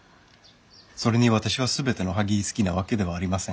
それに私は全てのおはぎ好きなわけではありません。